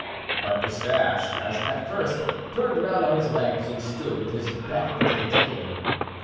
But Pistache, as at first, turned round on his legs and stood with his back to the cane.